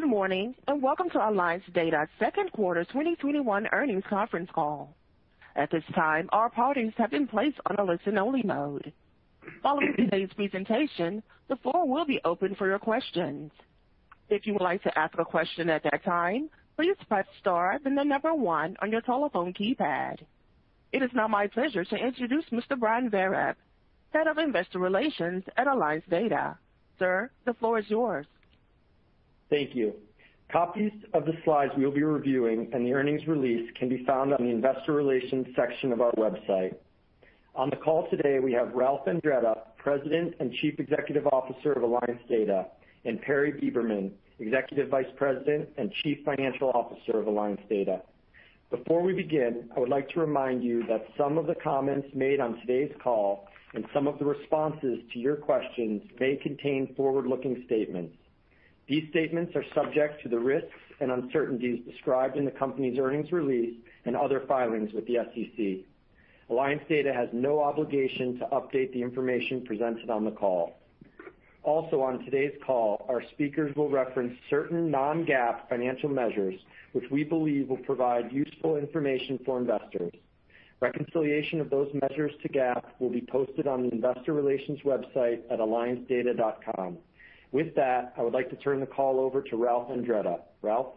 Good morning, and welcome to Alliance Data's second quarter 2021 earnings conference call. At this time, all participants have been placed in a listen-only mode. Following today's presentation, the phone will be open for your questions. If you would like to ask a question at that time, please press star and then the number one on your telephone keypad. It is now my pleasure to introduce Mr. Brian Vereb, Head of Investor Relations at Alliance Data. Sir, the floor is yours. Thank you. Copies of the slides we will be reviewing and the earnings release can be found on the investor relations section of our website. On the call today, we have Ralph Andretta, President and Chief Executive Officer of Alliance Data, and Perry Beberman, Executive Vice President and Chief Financial Officer of Alliance Data. Before we begin, I would like to remind you that some of the comments made on today's call and some of the responses to your questions may contain forward-looking statements. These statements are subject to the risks and uncertainties described in the company's earnings release and other filings with the SEC. Alliance Data has no obligation to update the information presented on the call. Also on today's call, our speakers will reference certain non-GAAP financial measures, which we believe will provide useful information for investors. Reconciliation of those measures to GAAP will be posted on the investor relations website at alliancedata.com. With that, I would like to turn the call over to Ralph Andretta. Ralph?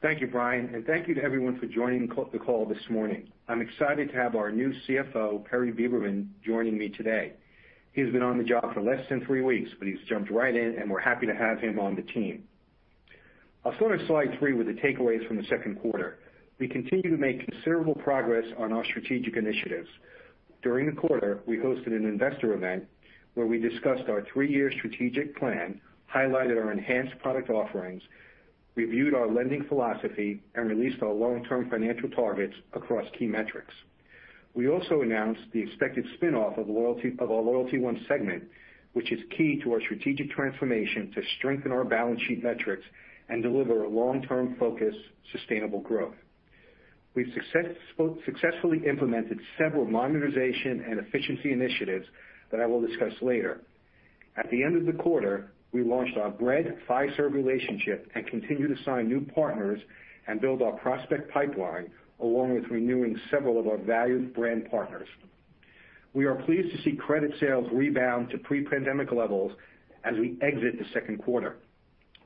Thank you, Brian Vereb, and thank you to everyone for joining the call this morning. I'm excited to have our new CFO, Perry Beberman, joining me today. He's been on the job for less than three weeks, but he's jumped right in, and we're happy to have him on the team. I'll start on slide three with the takeaways from the second quarter. We continue to make considerable progress on our strategic initiatives. During the quarter, we hosted an investor event where we discussed our three-year strategic plan, highlighted our enhanced product offerings, reviewed our lending philosophy, and released our long-term financial targets across key metrics. We also announced the expected spin-off of our LoyaltyOne segment, which is key to our strategic transformation to strengthen our balance sheet metrics and deliver a long-term focused, sustainable growth. We've successfully implemented several monetization and efficiency initiatives that I will discuss later. At the end of the quarter, we launched our Bread-Fiserv relationship and continue to sign new partners and build our prospect pipeline, along with renewing several of our valued brand partners. We are pleased to see credit sales rebound to pre-pandemic levels as we exit the second quarter.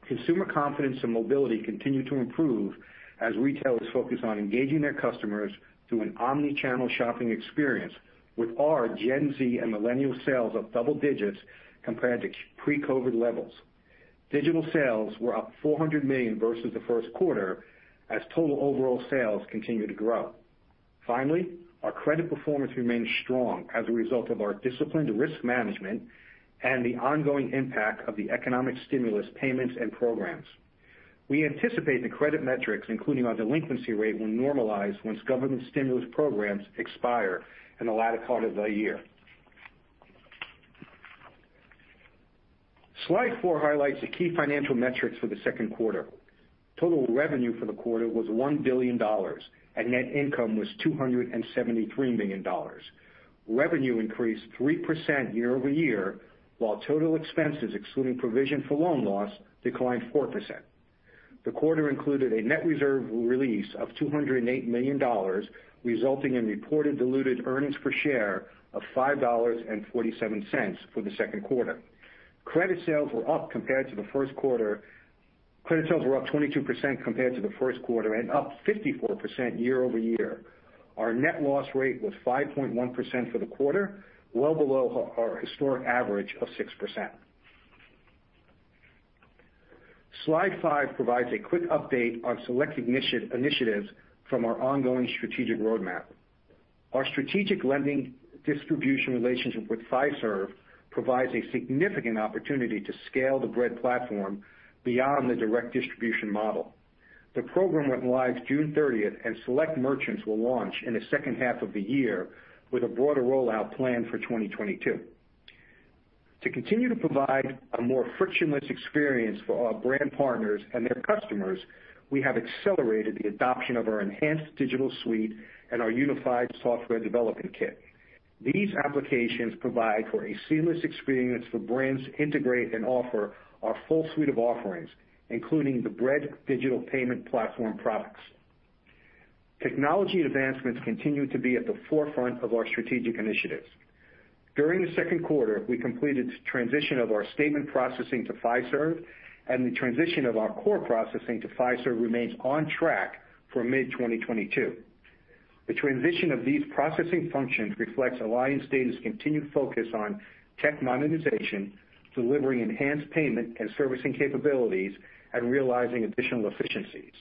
Consumer confidence and mobility continue to improve as retailers focus on engaging their customers through an omnichannel shopping experience, with our Gen Z and Millennial sales up double digits compared to pre-COVID levels. Digital sales were up $400 million versus the first quarter as total overall sales continue to grow. Finally, our credit performance remains strong as a result of our disciplined risk management and the ongoing impact of the economic stimulus payments and programs. We anticipate the credit metrics, including our delinquency rate, will normalize once government stimulus programs expire in the latter quarter of the year. Slide four highlights the key financial metrics for the second quarter. Total revenue for the quarter was $1 billion, and net income was $273 million. Revenue increased 3% year-over-year, while total expenses, excluding provision for loan loss, declined 4%. The quarter included a net reserve release of $208 million, resulting in reported diluted earnings per share of $5.47 for the second quarter. Credit sales were up 22% compared to the first quarter and up 54% year-over-year. Our net loss rate was 5.1% for the quarter, well below our historic average of 6%. Slide five provides a quick update on select initiatives from our ongoing strategic roadmap. Our strategic lending distribution relationship with Fiserv provides a significant opportunity to scale the Bread platform beyond the direct distribution model. The program went live June 30th. Select merchants will launch in the second half of the year with a broader rollout planned for 2022. To continue to provide a more frictionless experience for our brand partners and their customers, we have accelerated the adoption of our enhanced digital suite and our unified software development kit. These applications provide for a seamless experience for brands to integrate and offer our full suite of offerings, including the Bread digital payment platform products. Technology advancements continue to be at the forefront of our strategic initiatives. During the second quarter, we completed the transition of our statement processing to Fiserv. The transition of our core processing to Fiserv remains on track for mid-2022. The transition of these processing functions reflects Alliance Data's continued focus on tech monetization, delivering enhanced payment and servicing capabilities, and realizing additional efficiencies.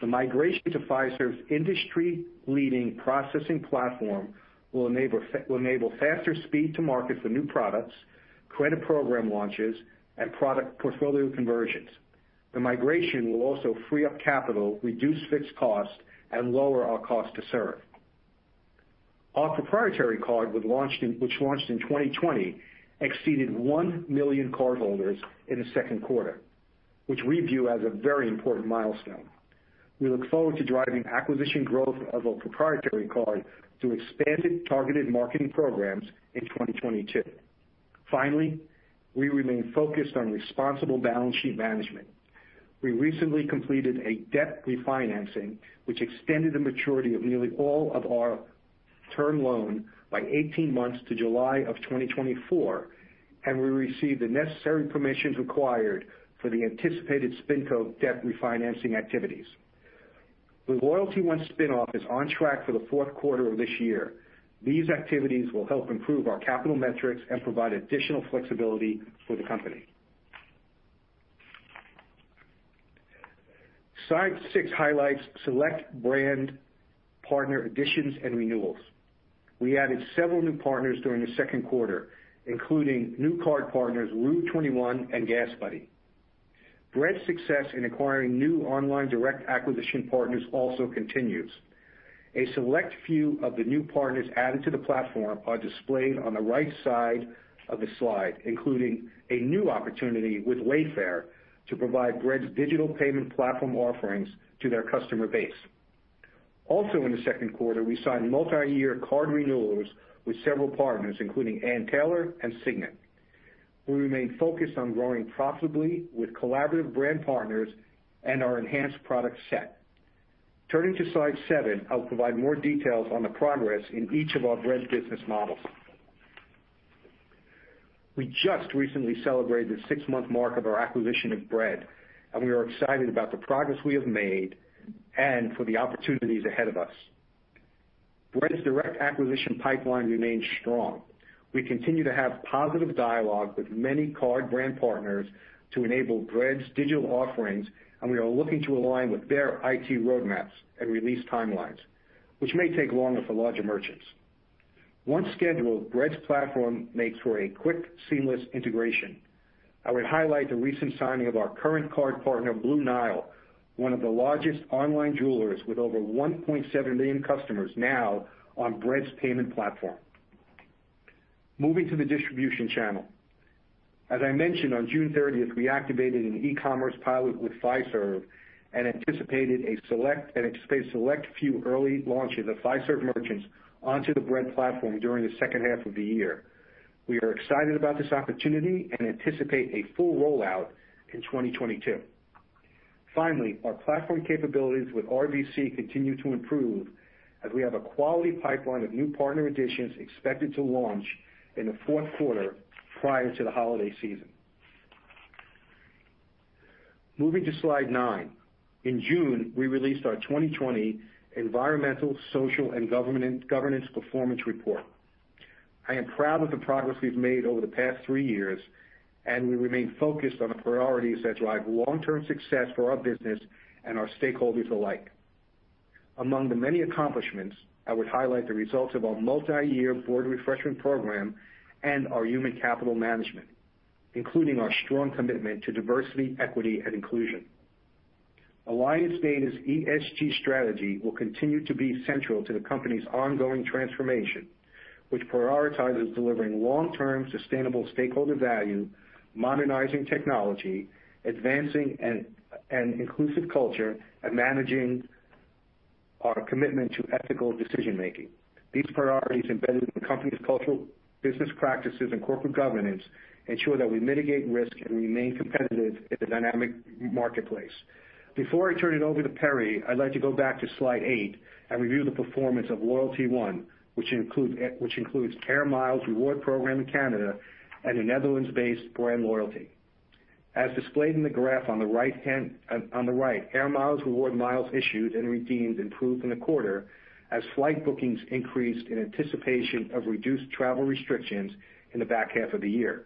The migration to Fiserv's industry-leading processing platform will enable faster speed to market for new products, credit program launches, and product portfolio conversions. The migration will also free up capital, reduce fixed cost, and lower our cost to serve. Our proprietary card, which launched in 2020, exceeded 1 million cardholders in the second quarter, which we view as a very important milestone. We look forward to driving acquisition growth of our proprietary card through expanded targeted marketing programs in 2022. Finally, we remain focused on responsible balance sheet management. We recently completed a debt refinancing, which extended the maturity of nearly all of our term loan by 18 months to July of 2024, and we received the necessary permissions required for the anticipated spinco debt refinancing activities. The LoyaltyOne spinoff is on track for the fourth quarter of this year. These activities will help improve our capital metrics and provide additional flexibility for the company. Slide six highlights select brand partner additions and renewals. We added several new partners during the second quarter, including new card partners, rue21 and GasBuddy. Bread's success in acquiring new online direct acquisition partners also continues. A select few of the new partners added to the platform are displayed on the right side of the slide, including a new opportunity with Wayfair to provide Bread's digital payment platform offerings to their customer base. In the second quarter, we signed multi-year card renewals with several partners, including Ann Taylor and Signet. We remain focused on growing profitably with collaborative brand partners and our enhanced product set. Turning to slide seven, I'll provide more details on the progress in each of our Bread business models. We just recently celebrated the six-month mark of our acquisition of Bread. We are excited about the progress we have made and for the opportunities ahead of us. Bread's direct acquisition pipeline remains strong. We continue to have positive dialogue with many card brand partners to enable Bread's digital offerings. We are looking to align with their IT roadmaps and release timelines, which may take longer for larger merchants. Once scheduled, Bread's platform makes for a quick, seamless integration. I would highlight the recent signing of our current card partner, Blue Nile, one of the largest online jewelers with over 1.7 million customers now on Bread's payment platform. Moving to the distribution channel. As I mentioned, on June 30th, we activated an e-commerce pilot with Fiserv and anticipated a select few early launches of Fiserv merchants onto the Bread platform during the second half of the year. We are excited about this opportunity and anticipate a full rollout in 2022. Finally, our platform capabilities with RBC continue to improve as we have a quality pipeline of new partner additions expected to launch in the fourth quarter prior to the holiday season. Moving to slide 9. In June, we released our 2020 environmental, social, and governance performance report. I am proud of the progress we've made over the past three years, and we remain focused on the priorities that drive long-term success for our business and our stakeholders alike. Among the many accomplishments, I would highlight the results of our multi-year board refreshment program and our human capital management, including our strong commitment to diversity, equity, and inclusion. Alliance Data's ESG strategy will continue to be central to the company's ongoing transformation, which prioritizes delivering long-term sustainable stakeholder value, modernizing technology, advancing an inclusive culture, and managing our commitment to ethical decision-making. These priorities embedded in the company's cultural business practices and corporate governance ensure that we mitigate risk and remain competitive in the dynamic marketplace. Before I turn it over to Perry, I'd like to go back to slide eight and review the performance of LoyaltyOne, which includes AIR MILES reward program in Canada and the Netherlands-based BrandLoyalty. As displayed in the graph on the right, AIR MILES reward miles issued and redeemed improved in the quarter as flight bookings increased in anticipation of reduced travel restrictions in the back half of the year.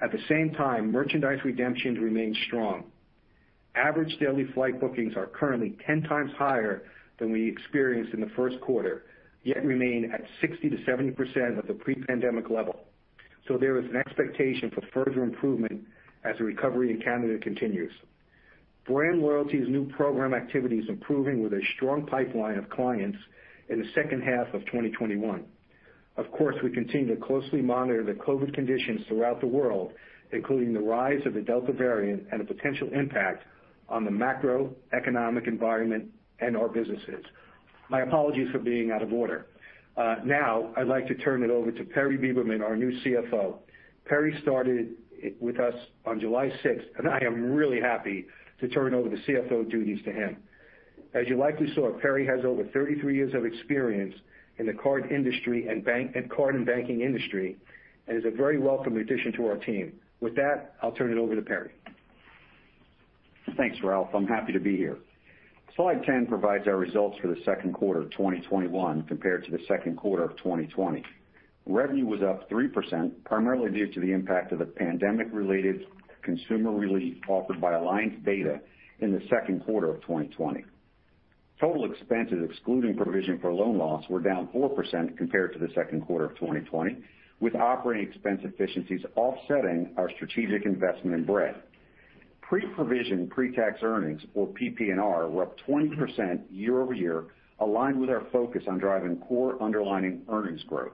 At the same time, merchandise redemptions remained strong. Average daily flight bookings are currently 10 times higher than we experienced in the first quarter, yet remain at 60%-70% of the pre-pandemic level. There is an expectation for further improvement as the recovery in Canada continues. BrandLoyalty's new program activity is improving with a strong pipeline of clients in the second half of 2021. We continue to closely monitor the COVID conditions throughout the world, including the rise of the Delta variant and the potential impact on the macroeconomic environment and our businesses. My apologies for being out of order. I'd like to turn it over to Perry Beberman, our new CFO. Perry started with us on July 6th, and I am really happy to turn over the CFO duties to him. As you likely saw, Perry has over 33 years of experience in the card and banking industry and is a very welcome addition to our team. With that, I'll turn it over to Perry. Thanks, Ralph. I'm happy to be here. Slide 10 provides our results for the second quarter of 2021 compared to the second quarter of 2020. Revenue was up 3%, primarily due to the impact of the pandemic-related consumer relief offered by Alliance Data in the second quarter of 2020. Total expenses, excluding provision for loan loss, were down 4% compared to the second quarter of 2020, with operating expense efficiencies offsetting our strategic investment in Bread. Pre-provision, pre-tax earnings, or PPNR, were up 20% year-over-year, aligned with our focus on driving core underlying earnings growth.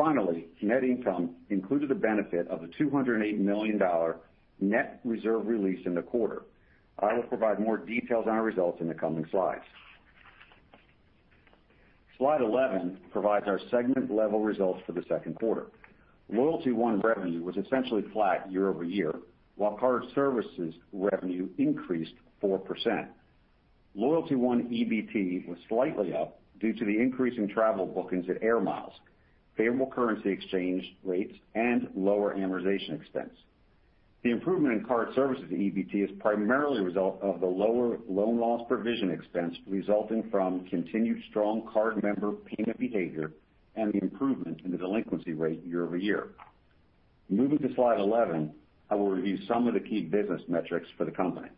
Finally, net income included the benefit of a $208 million net reserve release in the quarter. I will provide more details on our results in the coming slides. Slide 11 provides our segment-level results for the second quarter. LoyaltyOne revenue was essentially flat year-over-year, while Card Services revenue increased 4%. LoyaltyOne EBT was slightly up due to the increase in travel bookings at AIR MILES, favorable currency exchange rates, and lower amortization expense. The improvement in Card Services EBT is primarily a result of the lower loan loss provision expense resulting from continued strong card member payment behavior and the improvement in the delinquency rate year-over-year. Moving to slide 11, I will review some of the key business metrics for the company.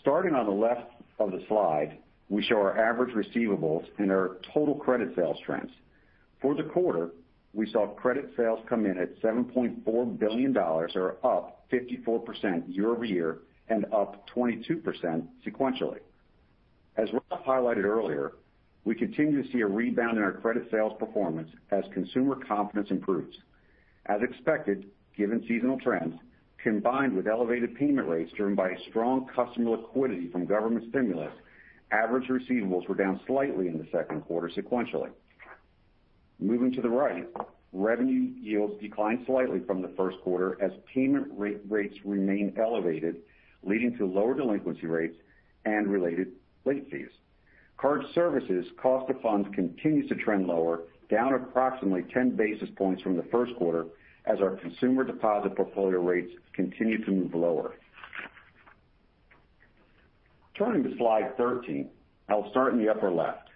Starting on the left of the slide, we show our average receivables and our total credit sales trends. For the quarter, we saw credit sales come in at $7.4 billion, or up 54% year-over-year and up 22% sequentially. As Ralph highlighted earlier, we continue to see a rebound in our credit sales performance as consumer confidence improves. As expected, given seasonal trends, combined with elevated payment rates driven by strong customer liquidity from government stimulus, average receivables were down slightly in the second quarter sequentially. Moving to the right, revenue yields declined slightly from the first quarter as payment rates remained elevated, leading to lower delinquency rates and related late fees. Card Services' cost of funds continues to trend lower, down approximately 10 basis points from the first quarter, as our consumer deposit portfolio rates continue to move lower. Turning to slide 13, I'll start in the upper left.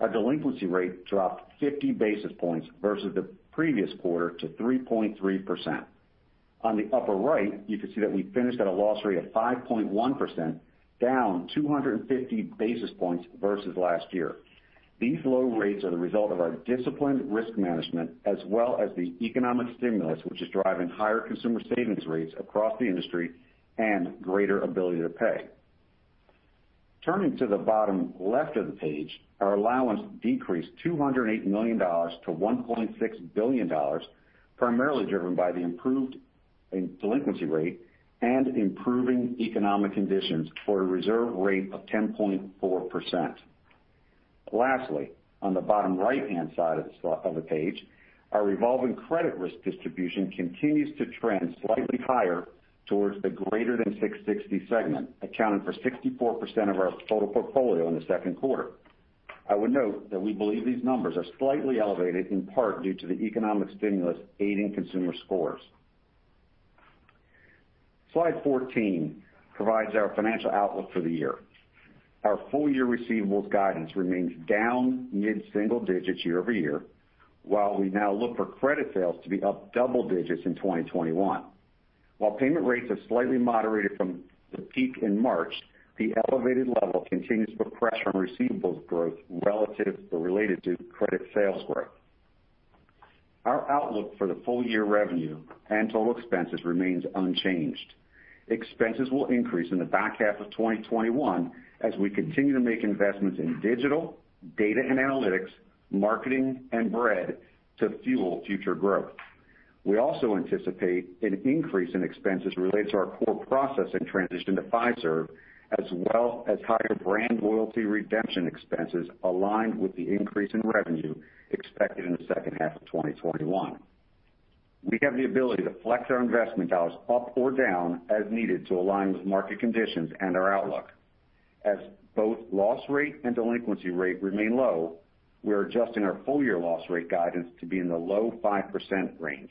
Our delinquency rate dropped 50 basis points versus the previous quarter to 3.3%. On the upper right, you can see that we finished at a loss rate of 5.1%, down 250 basis points versus last year. These low rates are the result of our disciplined risk management as well as the economic stimulus, which is driving higher consumer savings rates across the industry and greater ability to pay. Turning to the bottom left of the page, our allowance decreased $208 million to $1.6 billion, primarily driven by the improved delinquency rate and improving economic conditions for a reserve rate of 10.4%. Lastly, on the bottom right-hand side of the page, our revolving credit risk distribution continues to trend slightly higher towards the greater than 660 segment, accounting for 64% of our total portfolio in the second quarter. I would note that we believe these numbers are slightly elevated, in part due to the economic stimulus aiding consumer scores. Slide 14 provides our financial outlook for the year. Our full-year receivables guidance remains down mid-single digits year-over-year, while we now look for credit sales to be up double digits in 2021. While payment rates have slightly moderated from the peak in March, the elevated level continues to put pressure on receivables growth relative to or related to credit sales growth. Our outlook for the full-year revenue and total expenses remains unchanged. Expenses will increase in the back half of 2021 as we continue to make investments in digital, data and analytics, marketing, and Bread to fuel future growth. We also anticipate an increase in expenses related to our core processing transition to Fiserv, as well as higher BrandLoyalty redemption expenses aligned with the increase in revenue expected in the second half of 2021. We have the ability to flex our investment dollars up or down as needed to align with market conditions and our outlook. As both loss rate and delinquency rate remain low, we're adjusting our full-year loss rate guidance to be in the low 5% range.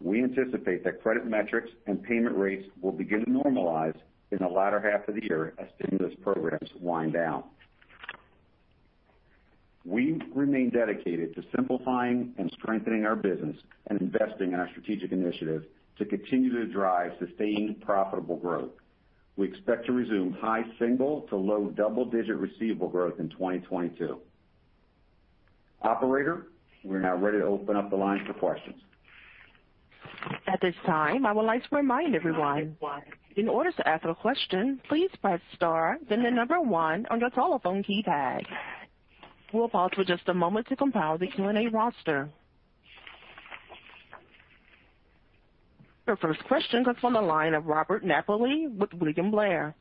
We anticipate that credit metrics and payment rates will begin to normalize in the latter half of the year as stimulus programs wind down. We remain dedicated to simplifying and strengthening our business and investing in our strategic initiatives to continue to drive sustained profitable growth. We expect to resume high single- to low double-digit receivable growth in 2022. Operator, we're now ready to open up the line for questions. At this time, I would like to remind everyone: in order to ask a question, please press star then the number one on your telephone keypad. We'll pause for just a moment to compile the Q&A roster. Your first question comes from the line of Robert Napoli with William Blair.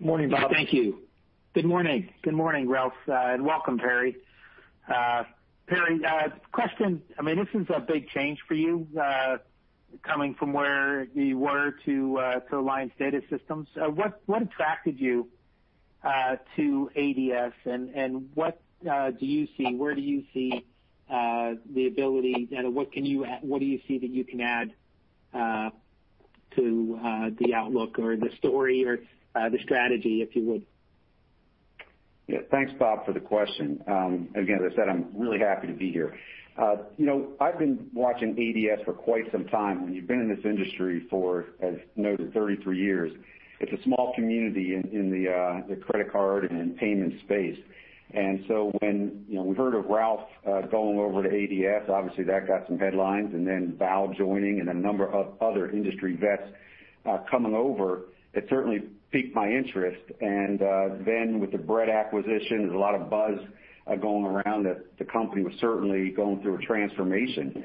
Morning, Bob. Thank you. Good morning. Good morning, Ralph. Welcome, Perry. Perry, question. This is a big change for you, coming from where you were to Alliance Data Systems. What attracted you to ADS, and what do you see? Where do you see the ability, and what do you see that you can add to the outlook or the story or the strategy, if you would? Thanks, Bob, for the question. Again, as I said, I'm really happy to be here. I've been watching ADS for quite some time. When you've been in this industry for, as noted, 33 years, it's a small community in the credit card and payment space. When we heard of Ralph going over to ADS, obviously that got some headlines, and then Val joining and a number of other industry vets coming over, it certainly piqued my interest. With the Bread acquisition, there was a lot of buzz going around that the company was certainly going through a transformation.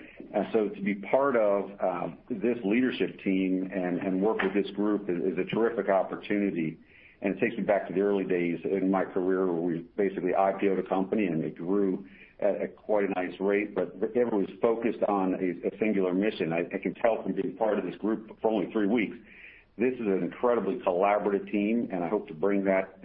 To be part of this leadership team and work with this group is a terrific opportunity, and it takes me back to the early days in my career where we basically IPO'd a company, and it grew at quite a nice rate, but everyone was focused on a singular mission. I can tell from being part of this group for only three weeks, this is an incredibly collaborative team, and I hope to bring that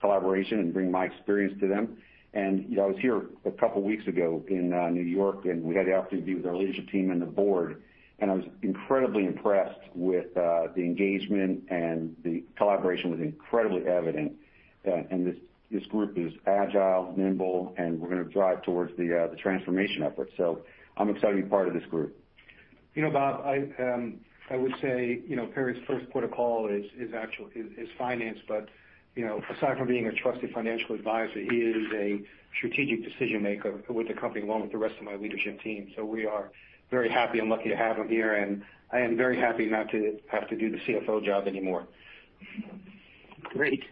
collaboration and bring my experience to them. I was here a couple of weeks ago in New York, and we had the opportunity with our leadership team and the board, and I was incredibly impressed with the engagement, and the collaboration was incredibly evident. This group is agile, nimble, and we're going to drive towards the transformation effort. I'm excited to be part of this group. You know, Bob, I would say Perry's first port of call is finance. Aside from being a trusted financial advisor, he is a strategic decision-maker with the company, along with the rest of my leadership team. We are very happy and lucky to have him here, and I am very happy not to have to do the CFO job anymore. Great.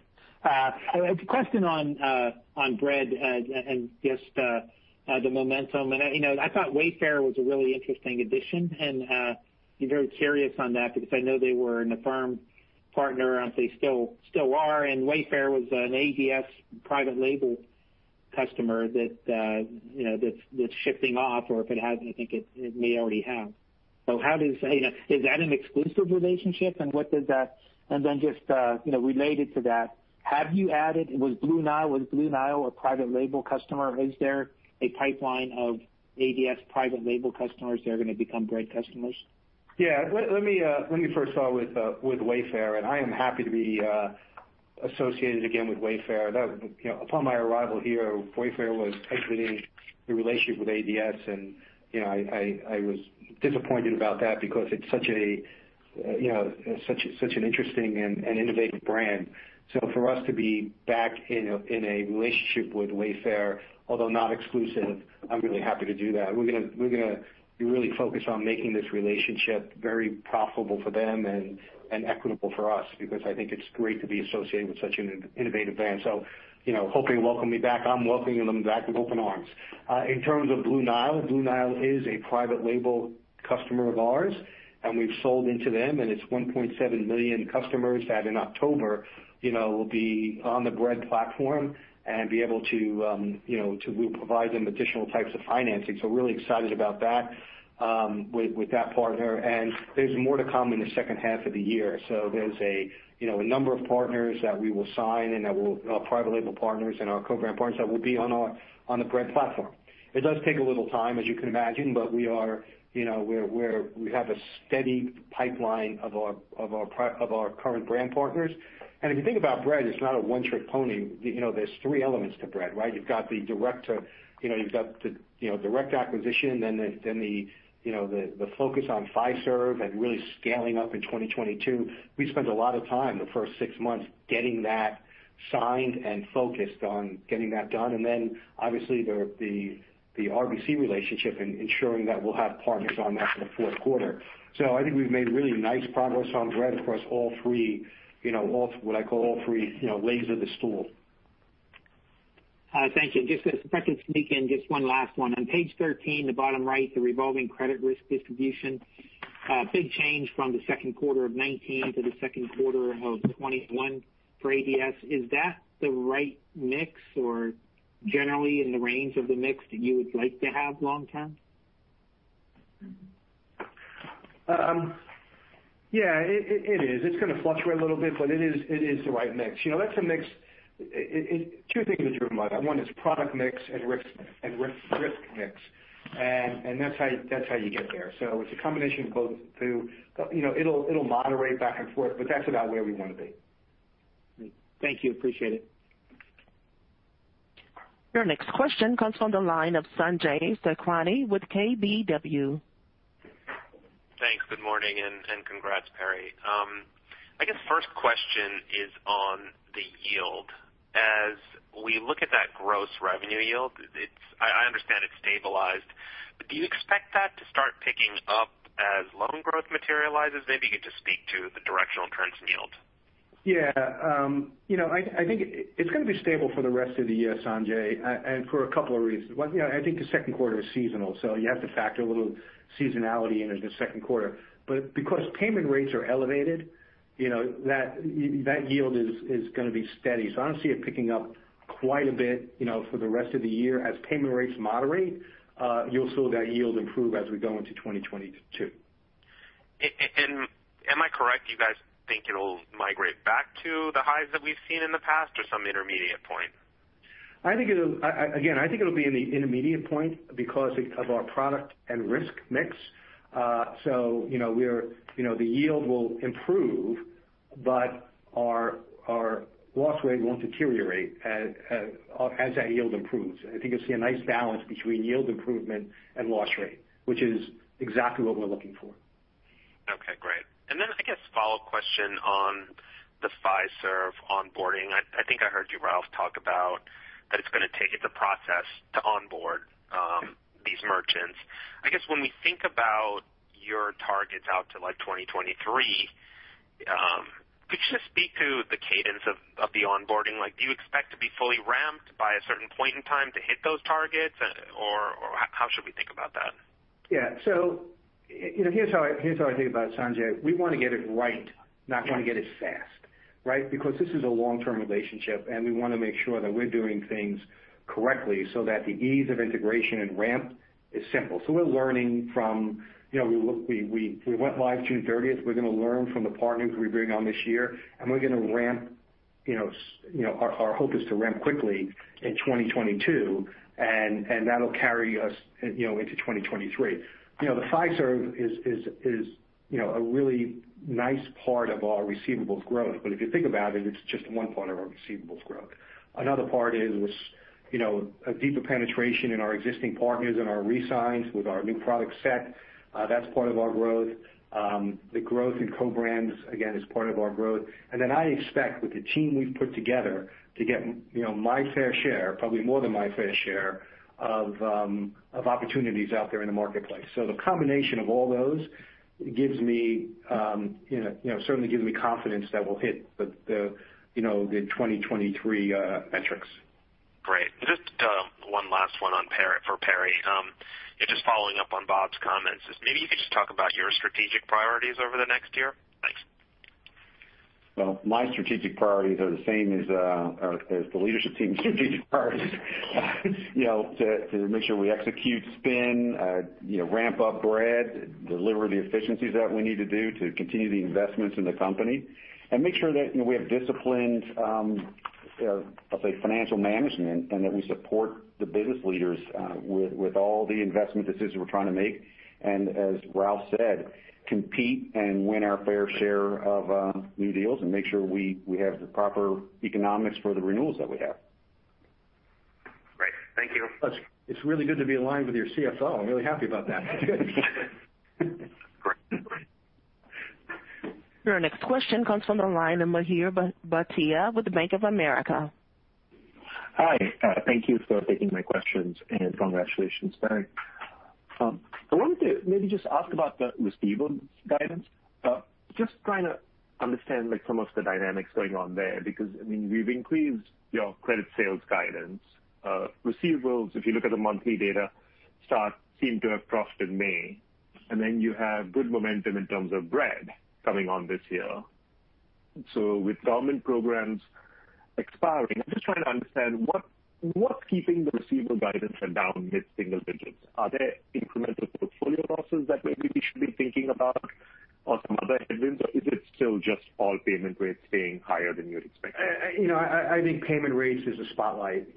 I have a question on Bread and just the momentum. I thought Wayfair was a really interesting addition, and be very curious on that because I know they were an Affirm partner. I don't know if they still are. Wayfair was an ADS private label customer that's shifting off, or if it hasn't, I think it may already have. Is that an exclusive relationship, and what does that-- Just related to that, have you had it, was Blue Nile a private label customer? Is there a pipeline of ADS private label customers that are going to become Bread customers? Let me first start with Wayfair. I am happy to be associated again with Wayfair. Upon my arrival here, Wayfair was exiting the relationship with ADS, and I was disappointed about that because it's such an interesting and innovative brand. For us to be back in a relationship with Wayfair, although not exclusive, I'm really happy to do that. We're going to be really focused on making this relationship very profitable for them and equitable for us because I think it's great to be associated with such an innovative brand. Hoping welcoming me back. I'm welcoming them back with open arms. In terms of Blue Nile, Blue Nile is a private label customer of ours, and we've sold into them, and it's 1.7 million customers that in October will be on the Bread platform, and we'll provide them additional types of financing. Really excited about that with that partner. There's more to come in the second half of the year. There's a number of partners that we will sign and that will private label partners and our co-brand partners that will be on the Bread platform. It does take a little time, as you can imagine, but we have a steady pipeline of our current brand partners. If you think about Bread, it's not a one-trick pony. There's three elements to Bread, right? You've got the direct acquisition, then the focus on Fiserv and really scaling up in 2022. We spent a lot of time the first six months getting that signed and focused on getting that done. Obviously the RBC relationship and ensuring that we'll have partners on that for the fourth quarter. I think we've made really nice progress on Bread across what I call all three legs of the stool. Thank you. Just if I could sneak in just one last one. On page 13, the bottom right, the revolving credit risk distribution. A big change from the second quarter of 2019 to the second quarter of 2021 for ADS. Is that the right mix or generally in the range of the mix that you would like to have long term? It is. It's going to fluctuate a little bit, but it is the right mix. Two things to keep in mind. One is product mix and risk mix. That's how you get there. It's a combination of both two. It'll moderate back and forth, but that's about where we want to be. Great. Thank you. Appreciate it. Your next question comes from the line of Sanjay Sakhrani with KBW. Thanks. Good morning. Congrats, Perry. I guess the first question is on the yield. As we look at that gross revenue yield, I understand it's stabilized, but do you expect that to start picking up as loan growth materializes? Maybe you could just speak to the directional trends in yield. I think it's going to be stable for the rest of the year, Sanjay. For a couple of reasons. One, I think the second quarter is seasonal; you have to factor a little seasonality into the second quarter. Because payment rates are elevated, that yield is going to be steady. I don't see it picking up quite a bit for the rest of the year. As payment rates moderate, you'll see that yield improve as we go into 2022. Am I correct, you guys think it'll migrate back to the highs that we've seen in the past or some intermediate point? I think it'll be in the intermediate point because of our product and risk mix. The yield will improve, but our loss rate won't deteriorate as that yield improves. I think you'll see a nice balance between yield improvement and loss rate, which is exactly what we're looking for. Okay, great. I guess a follow-up question on the Fiserv onboarding. I think I heard you, Ralph, talk about that it's going to take the process to onboard these merchants. I guess when we think about your targets out to 2023, could you just speak to the cadence of the onboarding? Do you expect to be fully ramped by a certain point in time to hit those targets, or how should we think about that? Here's how I think about it, Sanjay. We want to get it right, not want to get it fast. This is a long-term relationship, and we want to make sure that we're doing things correctly so that the ease of integration and ramp is simple. We're learning. We went live June 30th. We're going to learn from the partners we bring on this year, and our hope is to ramp quickly in 2022, and that'll carry us into 2023. The Fiserv is a really nice part of our receivables growth, but if you think about it's just one part of our receivables growth. Another part is a deeper penetration in our existing partners and our re-signs with our new product set. That's part of our growth. The growth in co-brands, again, is part of our growth. I expect with the team we've put together to get my fair share, probably more than my fair share of opportunities out there in the marketplace. The combination of all those certainly gives me confidence that we'll hit the 2023 metrics. Great. Just one last one for Perry. Just following up on Bob's comments is maybe you could just talk about your strategic priorities over the next year. Thanks. Well, my strategic priorities are the same as the leadership team's strategic priorities. To make sure we execute Spin, ramp up Bread, deliver the efficiencies that we need to do to continue the investments in the company, and make sure that we have disciplined financial management and that we support the business leaders with all the investment decisions we're trying to make. As Ralph said, compete and win our fair share of new deals and make sure we have the proper economics for the renewals that we have. Great. Thank you. It's really good to be aligned with your CFO. I'm really happy about that. Great. Your next question comes from the line of Mihir Bhatia with the Bank of America. Hi. Thank you for taking my questions. Congratulations, Perry. I wanted to maybe just ask about the receivables guidance. Just trying to understand some of the dynamics going on there, because you've increased your credit sales guidance. Receivables, if you look at the monthly data, seem to have dropped in May, and then you have good momentum in terms of Bread coming on this year. With government programs expiring, I'm just trying to understand what's keeping the receivable guidance down mid-single digits. Are there incremental portfolio losses that maybe we should be thinking about or some other headwinds, or is it still just all payment rates staying higher than you'd expect? I think payment rates is a spotlight.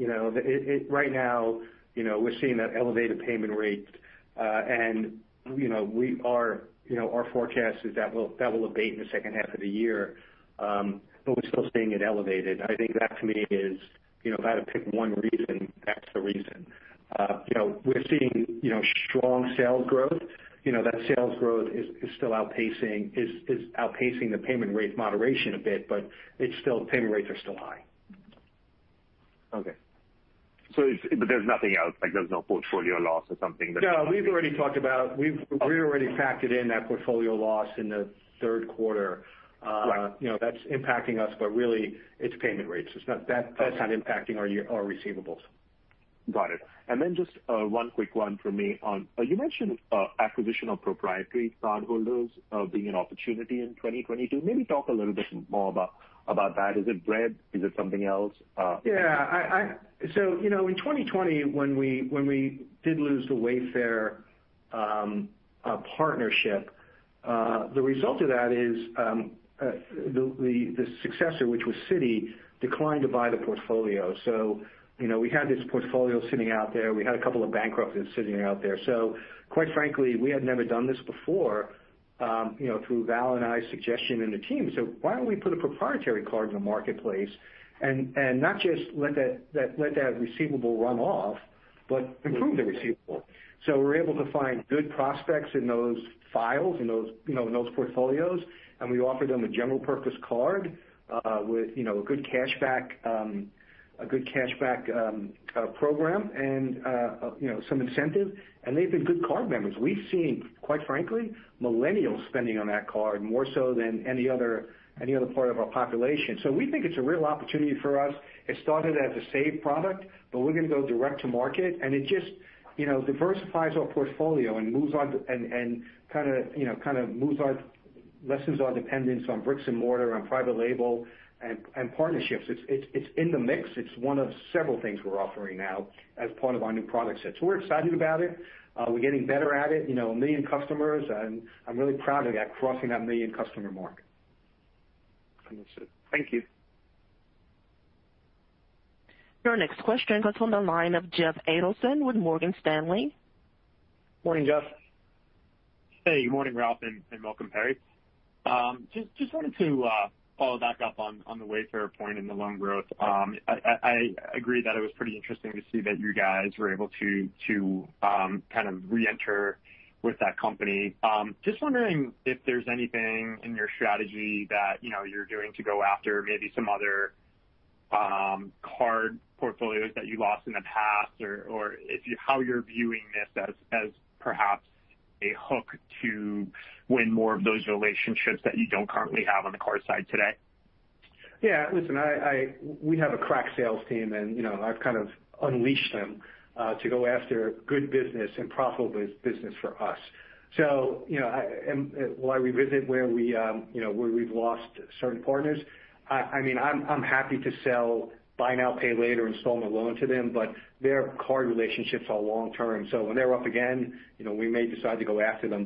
Right now, we're seeing that elevated payment rates. Our forecast is that will abate in the second half of the year, but we're still seeing it elevated, and I think that to me is if I had to pick one reason, that's the reason. We're seeing strong sales growth. That sales growth is outpacing the payment rate moderation a bit, but payment rates are still high. Okay. There's nothing else, like there's no portfolio loss or something that. No, we've already factored in that portfolio loss in the third quarter. Right. That's impacting us, but really it's payment rates. That's not impacting our receivables. Got it. Just one quick one from me on, you mentioned acquisition of proprietary cardholders being an opportunity in 2022. Maybe talk a little bit more about that. Is it Bread? Is it something else? In 2020, when we did lose the Wayfair partnership, the result of that is the successor, which was Citi, declined to buy the portfolio. We had this portfolio sitting out there. We had a couple of bankruptcies sitting out there. Quite frankly, we had never done this before through Val and I's suggestion and the team. Why don't we put a proprietary card in the marketplace and not just let that receivable run off but improve the receivable? We're able to find good prospects in those files, in those portfolios, and we offer them a general-purpose card with a good cashback program and some incentive, and they've been good card members. We've seen, quite frankly, Millennials spending on that card more so than any other part of our population. We think it's a real opportunity for us. It started as a saved product, but we're going to go direct to market, and it just diversifies our portfolio and kind of lessens our dependence on bricks and mortar, on private label and partnerships. It's in the mix. It's one of several things we're offering now as part of our new product set. We're excited about it. We're getting better at it. 1 million customers, and I'm really proud of that, crossing that 1 million customer mark. Thank you. Your next question comes from the line of Jeffrey Adelson with Morgan Stanley. Morning, Jeff. Hey, good morning, Ralph Andretta and Perry Beberman. Just wanted to follow back up on the Wayfair point and the loan growth. I agree that it was pretty interesting to see that you guys were able to kind of reenter with that company. Just wondering if there's anything in your strategy that you're doing to go after maybe some other card portfolios that you lost in the past, or how you're viewing this as perhaps a hook to win more of those relationships that you don't currently have on the card side today. Listen, we have a crack sales team. I've kind of unleashed them to go after good business and profitable business for us. Will I revisit where we've lost certain partners? I'm happy to sell buy now, pay later installment loan to them. Their card relationships are long-term. When they're up again, we may decide to go after them.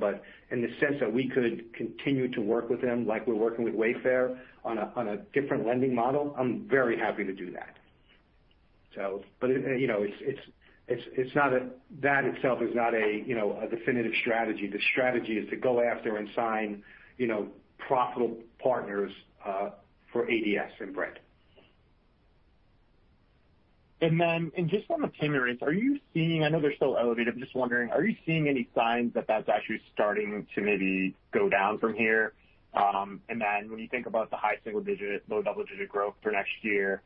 In the sense that we could continue to work with them like we're working with Wayfair on a different lending model, I'm very happy to do that. That itself is not a definitive strategy. The strategy is to go after and sign profitable partners for ADS and Bread. Just on the payment rates, I know they're still elevated, but just wondering, are you seeing any signs that that's actually starting to maybe go down from here? When you think about the high single-digit, low double-digit growth for next year,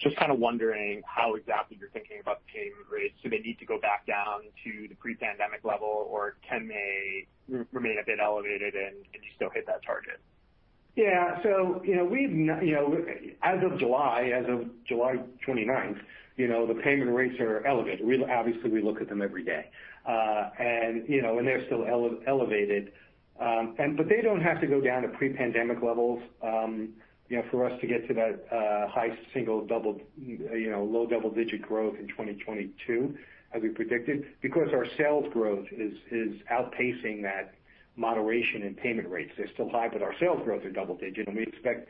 just kind of wondering how exactly you're thinking about the payment rates. Do they need to go back down to the pre-pandemic level, or can they remain a bit elevated and you still hit that target? As of July 29th, the payment rates are elevated. Obviously, we look at them every day. They're still elevated. They don't have to go down to pre-pandemic levels for us to get to that high single/low double-digit growth in 2022 as we predicted, because our sales growth is outpacing that moderation in payment rates. They're still high, but our sales growth is double-digit, and we expect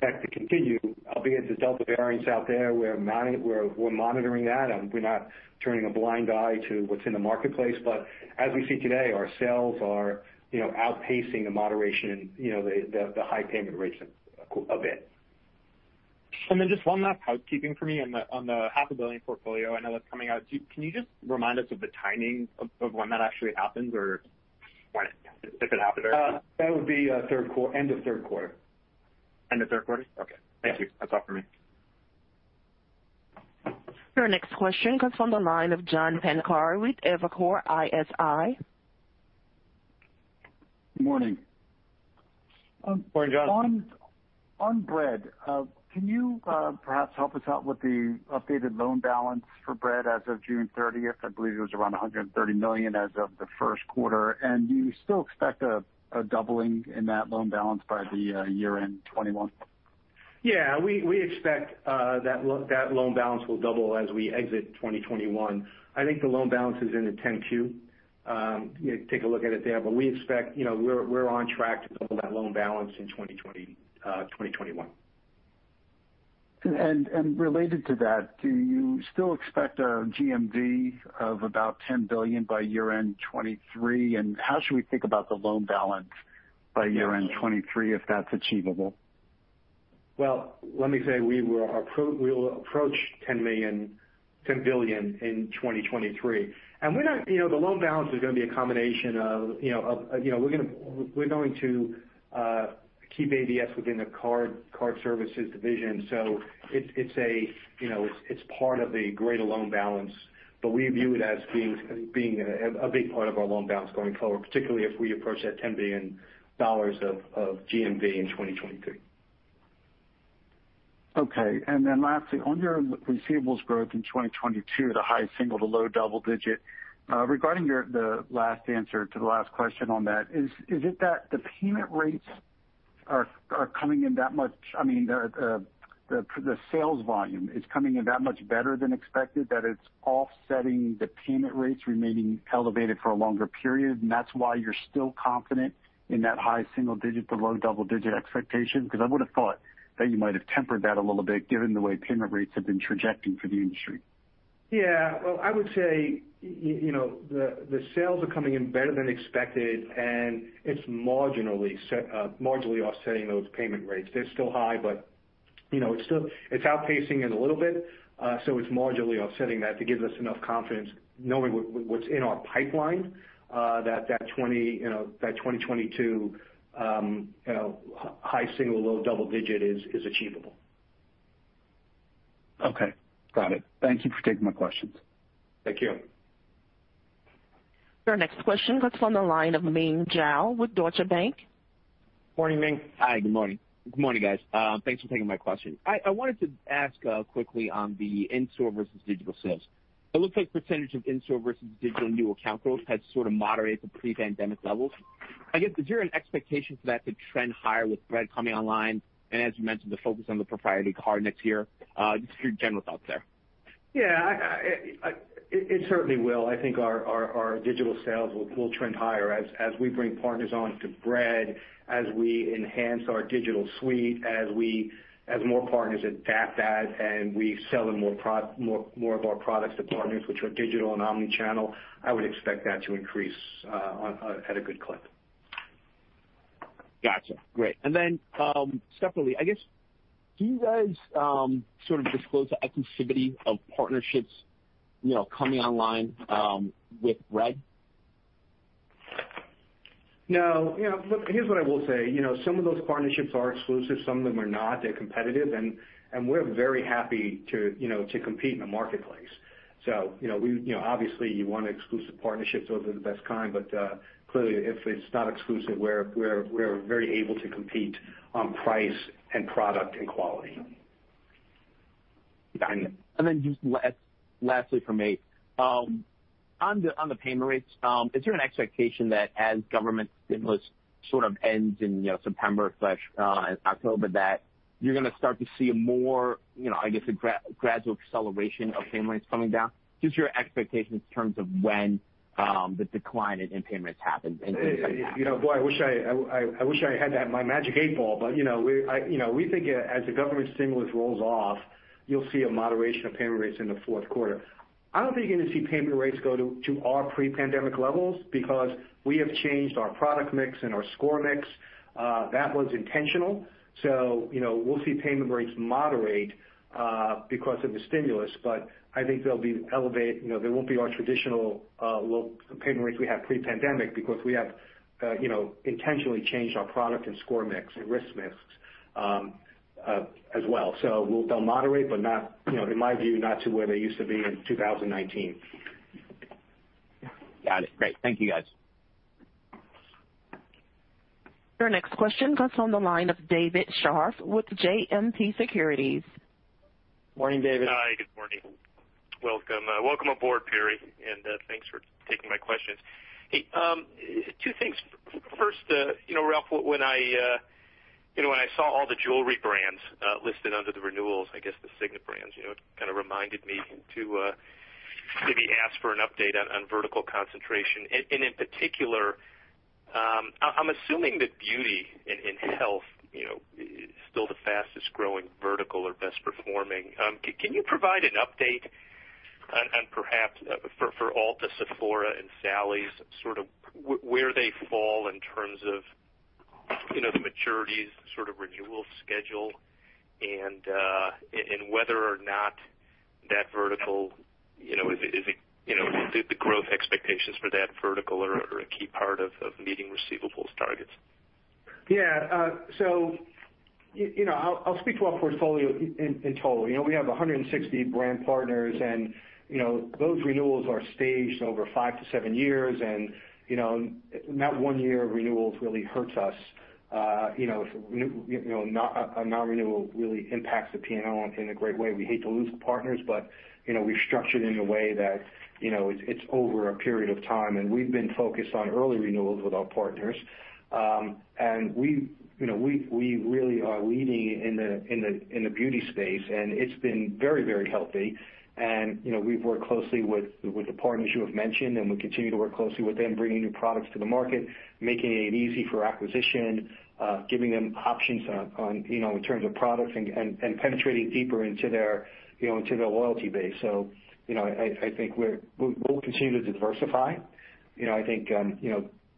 that to continue. Albeit the Delta variant's out there, we're monitoring that. We're not turning a blind eye to what's in the marketplace, but as we see today, our sales are outpacing the moderation and the high payment rates a bit. Just one last housekeeping for me on the half-a-billion portfolio. I know that's coming out. Can you just remind us of the timing of when that actually happens, or if it happened already? That would be end of third quarter. End of third quarter? Okay. Thank you. That's all for me. Your next question comes from the line of John Pancari with Evercore ISI. Good morning. Morning, John. On Bread, can you perhaps help us out with the updated loan balance for Bread as of June 30th? I believe it was around $130 million as of the first quarter. Do you still expect a doubling in that loan balance by the year-end 2021? Yeah, we expect that loan balance will double as we exit 2021. I think the loan balance is in the 10-Q. Take a look at it there. We're on track to double that loan balance in 2021. Related to that, do you still expect a GMV of about $10 billion by year-end 2023? How should we think about the loan balance by year-end 2023, if that's achievable? Well, let me say we will approach $10 billion in 2023. The loan balance is going to be—we're going to keep ADS within the Card Services division. It's part of the greater loan balance, but we view it as being a big part of our loan balance going forward, particularly if we approach that $10 billion of GMV in 2023. Okay. Lastly, on your receivables growth in 2022, the high single-digit to low double-digit. Regarding the last answer to the last question on that, is it that the sales volume is coming in that much better than expected that it's offsetting the payment rates remaining elevated for a longer period, and that's why you're still confident in that high single-digit to low double-digit expectation? I would've thought that you might have tempered that a little bit given the way payment rates have been trajecting for the industry. Well, I would say the sales are coming in better than expected, and it's marginally offsetting those payment rates. They're still high, but it's outpacing it a little bit. It's marginally offsetting that to give us enough confidence knowing what's in our pipeline, that 2022 high single, low double-digit is achievable. Okay. Got it. Thank you for taking my questions. Thank you. Your next question comes from the line of Meng Jiao with Deutsche Bank. Morning, Meng Jiao. Hi. Good morning. Good morning, guys. Thanks for taking my question. I wanted to ask quickly on the in-store versus digital sales. It looks like percentage of in-store versus digital new account growth has sort of moderated to pre-pandemic levels. I guess, is there an expectation for that to trend higher with Bread coming online and, as you mentioned, the focus on the proprietary card next year? Just your general thoughts there. It certainly will. I think our digital sales will trend higher as we bring partners on to Bread, as we enhance our digital suite, as more partners adapt that and we sell more of our products to partners which are digital and omnichannel. I would expect that to increase at a good clip. Got you. Great. Separately, I guess, do you guys sort of disclose the exclusivity of partnerships coming online with Bread? No. Look, here's what I will say. Some of those partnerships are exclusive; some of them are not. They're competitive. We're very happy to compete in the marketplace. Obviously you want exclusive partnerships; those are the best kind. Clearly, if it's not exclusive, we're very able to compete on price and product and quality. Got you. And then just lastly from me. On the payment rates, is there an expectation that as government stimulus sort of ends in September/October, that you're going to start to see a more, I guess, a gradual acceleration of payment rates coming down? Just your expectations in terms of when the decline in payments happens and if it happens. Boy, I wish I had my Magic 8 Ball. We think as the government stimulus rolls off, you'll see a moderation of payment rates in the fourth quarter. I don't think you're going to see payment rates go to our pre-pandemic levels because we have changed our product mix and our score mix. That was intentional. We'll see payment rates moderate because of the stimulus, but I think they'll be elevated. They won't be our traditional low payment rates we had pre-pandemic because we have intentionally changed our product and score mix and risk mix as well. They'll moderate, but in my view, not to where they used to be in 2019. Got it. Great. Thank you, guys. Your next question comes on the line of David Scharf with JMP Securities. Morning, David. Hi. Good morning. Welcome aboard, Perry, and thanks for taking my questions. Hey, two things. First, Ralph, when I saw all the jewelry brands listed under the renewals, I guess the Signet brands, it kind of reminded me to maybe ask for an update on vertical concentration. In particular, I'm assuming that beauty and health is still the fastest-growing vertical or best performing. Can you provide an update on perhaps for Ulta, Sephora, and Sally Beauty, sort of where they fall in terms of the maturities, sort of renewal schedule, and whether or not that vertical, if the growth expectations for that vertical are a key part of meeting receivables targets? I'll speak to our portfolio in total. We have 160 brand partners; those renewals are staged over five to seven years. Not one year of renewals really hurts us. A non-renewal really impacts the P&L in a great way. We hate to lose the partners. We've structured it in a way that it's over a period of time. We've been focused on early renewals with our partners. We really are leading in the beauty space; it's been very healthy. We've worked closely with the partners you have mentioned; we continue to work closely with them, bringing new products to the market, making it easy for acquisition, giving them options in terms of products, and penetrating deeper into their loyalty base. I think we'll continue to diversify. I think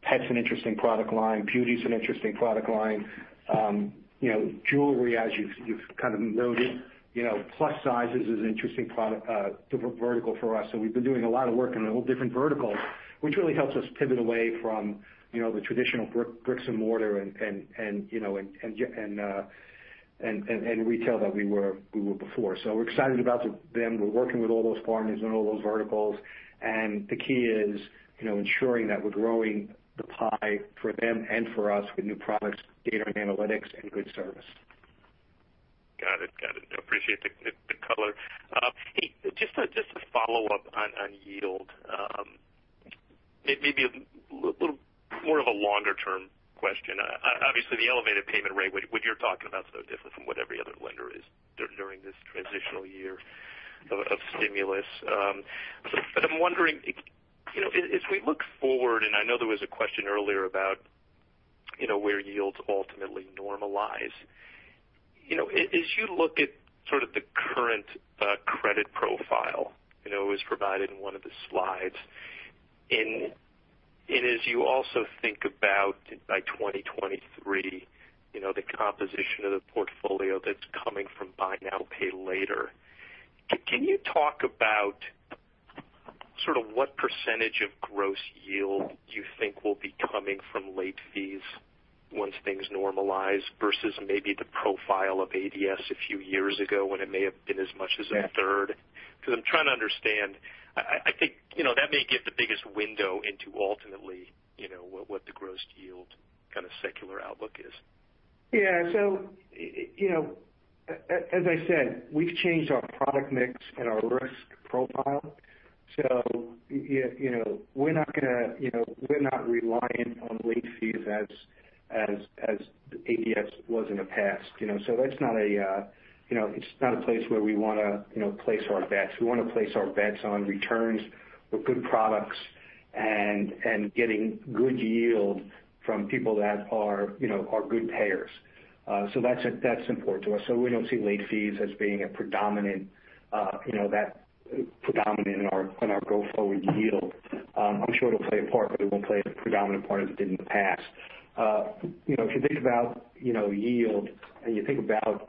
pet's an interesting product line. Beauty's an interesting product line. Jewelry, as you've kind of noted. Plus sizes is an interesting vertical for us. We've been doing a lot of work in all different verticals, which really helps us pivot away from the traditional bricks and mortar and retail that we were before. We're excited about them. We're working with all those partners in all those verticals. The key is ensuring that we're growing the pie for them and for us with new products, data and analytics, and good service. Got it. Appreciate the color. Hey, just a follow-up on yield. Maybe a little more of a longer-term question. Obviously, the elevated payment rate, what you're talking about, is no different from what every other lender is during this transitional year of stimulus. I'm wondering, as we look forward, and I know there was a question earlier about where yields ultimately normalize. As you look at sort of the current credit profile, it was provided in one of the slides. As you also think about by 2023, the composition of the portfolio that's coming from buy now, pay later. Can you talk about sort of what percentage of gross yield you think will be coming from late fees once things normalize versus maybe the profile of ADS a few years ago when it may have been as much as a third? I'm trying to understand. I think that may give the biggest window into ultimately what the gross yield kind of secular outlook is. As I said, we've changed our product mix and our risk profile. We're not reliant on late fees as ADS was in the past. It's not a place where we want to place our bets. We want to place our bets on returns with good products and getting good yield from people that are good payers. That's important to us. We don't see late fees as being that predominant in our go-forward yield. I'm sure it'll play a part, but it won't play the predominant part as it did in the past. If you think about yield and you think about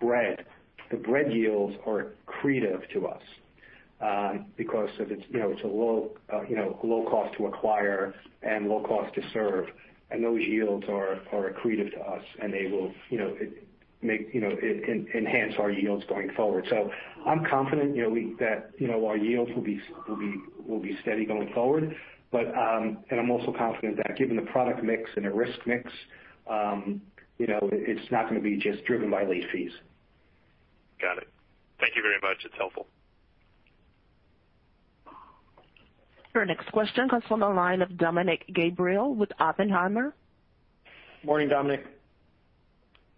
Bread, the Bread yields are accretive to us because it's low cost to acquire and low cost to serve, and those yields are accretive to us, and they will enhance our yields going forward. I'm confident that our yields will be steady going forward. I'm also confident that given the product mix and the risk mix, it's not going to be just driven by late fees. Got it. Thank you very much. That's helpful. Your next question comes from the line of Dominick Gabriele with Oppenheimer. Morning, Dominick.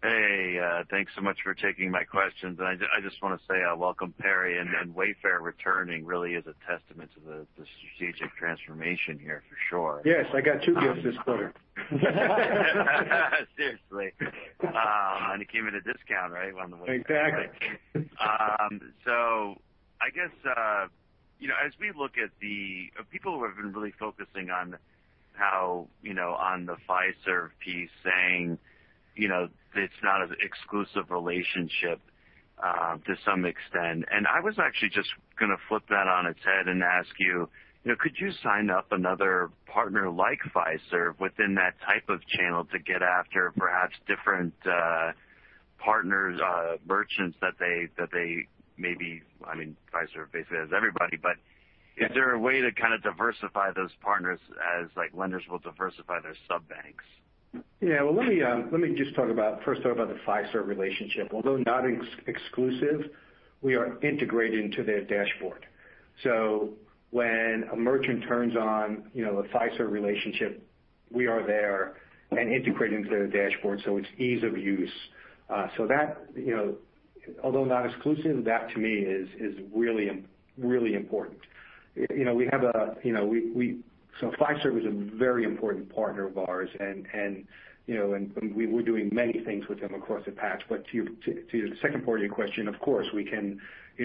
Hey, thanks so much for taking my questions. I just want to say welcome, Perry Beberman, and Wayfair returning really is a testament to the strategic transformation here for sure. Yes. I got two gifts this quarter. Seriously. It came at a discount, right? One way. Exactly. I guess, as we look at the- people have been really focusing on the Fiserv piece, saying it's not an exclusive relationship to some extent. I was actually just going to flip that on its head and ask you, could you sign up another partner like Fiserv within that type of channel to get after perhaps different partners, merchants that they maybe, I mean, Fiserv basically has everybody, but is there a way to kind of diversify those partners as like lenders will diversify their sub-banks? Well, let me just first talk about the Fiserv relationship. Although not exclusive, we are integrated into their dashboard. When a merchant turns on a Fiserv relationship, we are there and integrated into their dashboard, so it's ease of use. Although not exclusive, that to me is really important. Fiserv is a very important partner of ours, and we're doing many things with them across the patch. To the second part of your question, of course, we can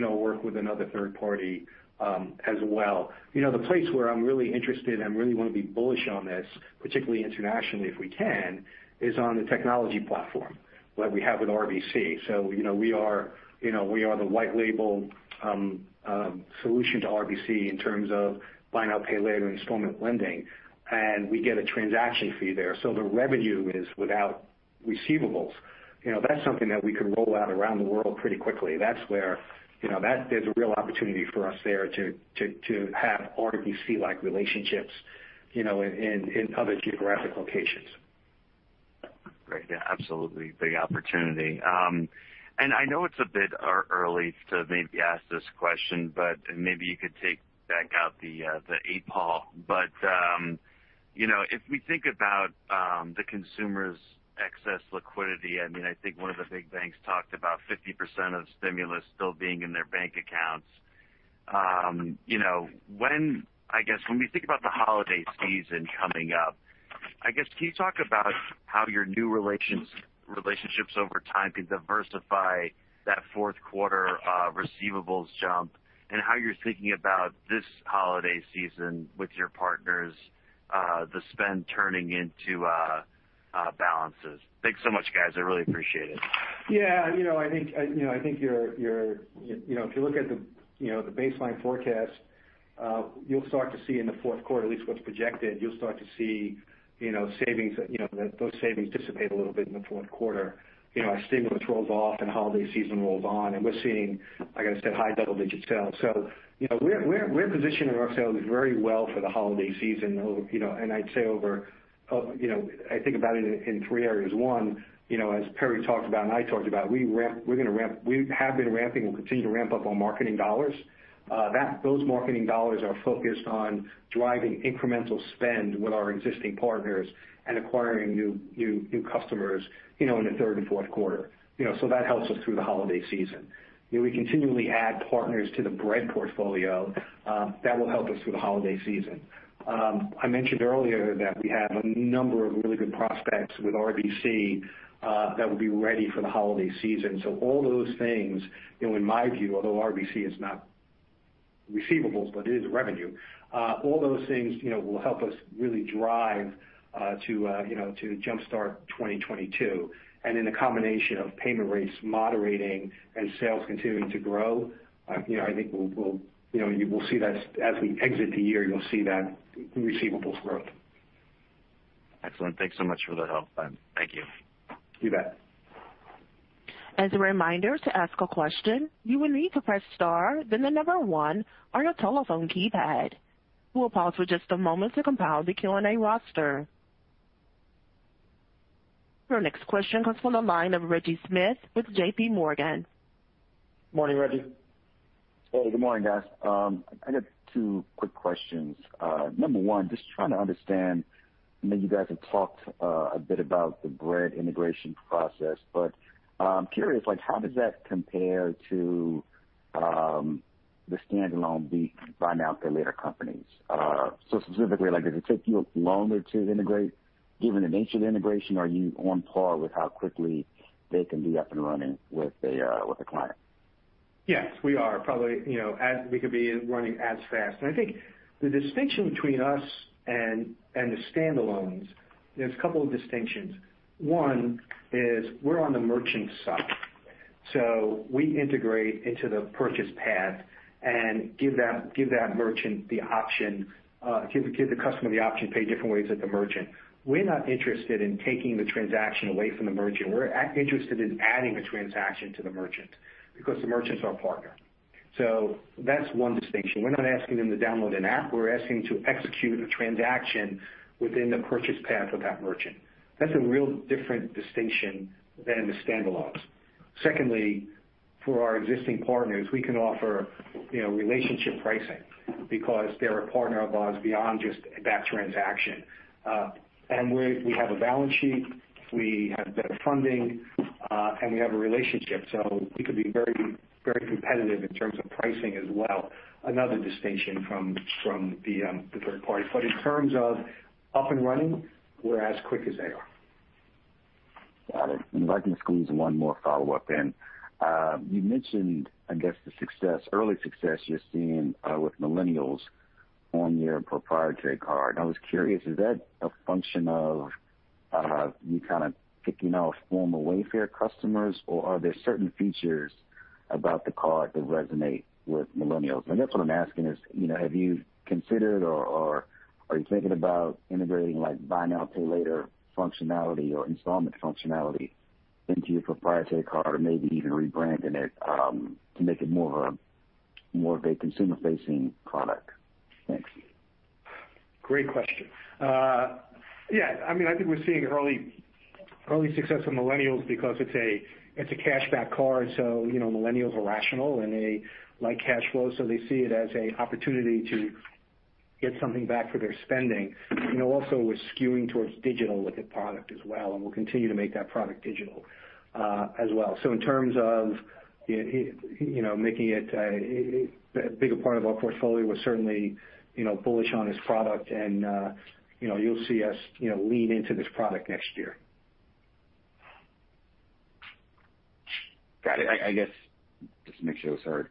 work with another third party as well. The place where I'm really interested and really want to be bullish on this, particularly internationally, if we can, is on the technology platform that we have with RBC. We are the white-label solution to RBC in terms of buy now, pay later installment lending, and we get a transaction fee there. The revenue is without receivables. That's something that we could roll out around the world pretty quickly. There's a real opportunity for us there to have RBC-like relationships in other geographic locations. Great. Yeah, absolutely. Big opportunity. I know it's a bit early to maybe ask this question, but maybe you could take back out the 8-ball. If we think about the consumer's excess liquidity, I think one of the big banks talked about 50% of stimulus still being in their bank accounts. I guess when we think about the holiday season coming up, can you talk about how your new relationships over time can diversify that fourth quarter receivables jump and how you're thinking about this holiday season with your partners, the spend turning into balances? Thanks so much, guys. I really appreciate it. I think if you look at the baseline forecast, you'll start to see in the fourth quarter, at least what's projected, you'll start to see those savings dissipate a little bit in the fourth quarter. Our stimulus rolls off and holiday season rolls on; we're seeing, like I said, high double-digit sales. We're positioning ourselves very well for the holiday season. I think about it in three areas. One, as Perry talked about and I talked about, we have been ramping. We'll continue to ramp up on marketing dollars. Those marketing dollars are focused on driving incremental spend with our existing partners and acquiring new customers in the third and fourth quarters. That helps us through the holiday season. We continually add partners to the Bread portfolio. That will help us through the holiday season. I mentioned earlier that we have a number of really good prospects with RBC that will be ready for the holiday season. All those things, in my view, although RBC is not receivables, but it is revenue. All those things will help us really drive to jumpstart 2022. In the combination of payment rates moderating and sales continuing to grow, I think you will see that as we exit the year, you'll see that receivables growth. Excellent. Thanks so much for the help. Thank you. You bet. Your next question comes from the line of Reggie Smith with JPMorgan. Morning, Reggie. Hey, good morning, guys. I got two quick questions. Number one, just trying to understand, I know you guys have talked a bit about the Bread integration process, but I'm curious, how does that compare to the standalone buy now, pay later companies? Specifically, does it take you longer to integrate, given the nature of the integration? Are you on par with how quickly they can be up and running with a client? Yes, we are probably. We could be running as fast. I think the distinction between us and the standalones, there's a couple of distinctions. One is we're on the merchant side. We integrate into the purchase path and give the customer the option to pay different ways at the merchant. We're not interested in taking the transaction away from the merchant. We're interested in adding the transaction to the merchant because the merchant's our partner. That's one distinction. We're not asking them to download an app. We're asking to execute a transaction within the purchase path of that merchant. That's a real different distinction than the standalones. Secondly, for our existing partners, we can offer relationship pricing because they're a partner of ours beyond just that transaction. We have a balance sheet, we have better funding, and we have a relationship, so we could be very competitive in terms of pricing as well. Another distinction from the third party. In terms of up and running, we're as quick as they are. Got it. If I can squeeze one more follow-up in. You mentioned, I guess, the early success you're seeing with Millennials on your proprietary card. I was curious: is that a function of you kind of kicking off former Wayfair customers, or are there certain features about the card that resonate with Millennials? I guess what I'm asking is, have you considered or are you thinking about integrating buy now, pay later functionality or installment functionality into your proprietary card, or maybe even rebranding it to make it more of a consumer-facing product? Thanks. Great question. Yeah. I think we're seeing early success with Millennials because it's a cashback card. Millennials are rational, and they like cash flow, so they see it as an opportunity to get something back for their spending. We're skewing towards digital with the product as well, and we'll continue to make that product digital as well. In terms of making it a bigger part of our portfolio, we're certainly bullish on this product, and you'll see us lean into this product next year. Got it. I guess just to make sure I was heard,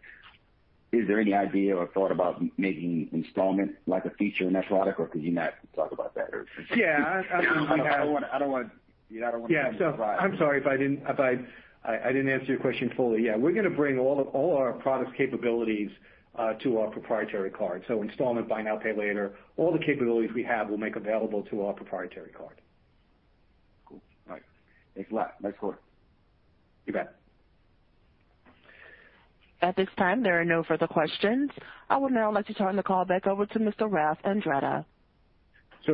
is there any idea or thought about making installment like a feature in that product, or could you not talk about that? Yeah. I don't want to— I'm sorry if I didn't answer your question fully. Yeah, we're going to bring all our product capabilities to our proprietary card. Installment buy now, pay later: all the capabilities we have, we'll make available to our proprietary card. Cool. All right. Thanks a lot. Nice quarter. You bet. At this time, there are no further questions. I would now like to turn the call back over to Mr. Ralph Andretta.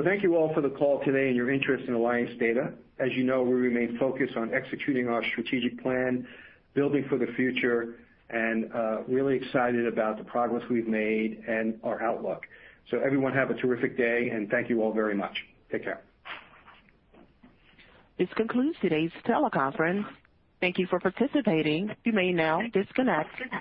Thank you all for the call today and your interest in Alliance Data. As you know, we remain focused on executing our strategic plan, building for the future, and really excited about the progress we've made and our outlook. Everyone have a terrific day, and thank you all very much. Take care. This concludes today's teleconference. Thank you for participating. You may now disconnect.